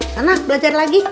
sana belajar lagi